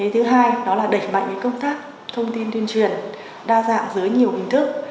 thứ hai đó là đẩy mạnh công tác thông tin tuyên truyền đa dạng dưới nhiều hình thức